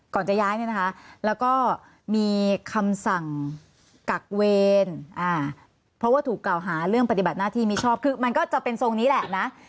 จะย้ายเนี่ยนะคะแล้วก็มีคำสั่งกักเวรเพราะว่าถูกกล่าวหาเรื่องปฏิบัติหน้าที่มิชอบคือมันก็จะเป็นทรงนี้แหละนะ